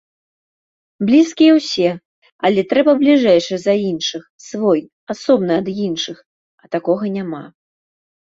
Блізкія ўсе, але трэба бліжэйшы за іншых, свой, асобны ад іншых, а такога няма.